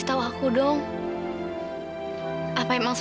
mawar kenny yang manis